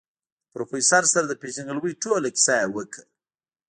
د پروفيسر سره د پېژندګلوي ټوله کيسه يې وکړه.